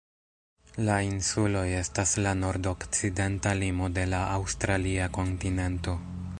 La insuloj estas la nordokcidenta limo de la aŭstralia kontinento.